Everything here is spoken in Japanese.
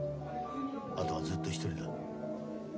あとはずっと独りだ。